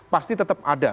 pasti tetap ada